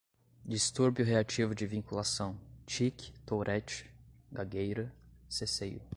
distúrbio reativo de vinculação, tique, tourette, gagueira, ceceio